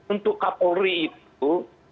untuk kapolri itu